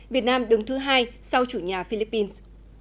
việt nam đứng thứ hai sau chủ nhà philippines